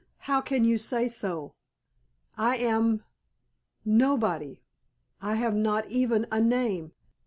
"How can you say so? I am nobody. I have not even a name."